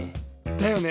だよね。